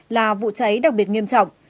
là vụ cháy đặc biệt nghiêm trọng